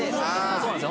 そうなんですよ